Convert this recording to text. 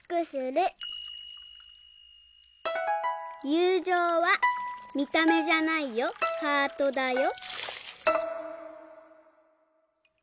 「ゆうじょうは見た目じゃないよハートだよ」。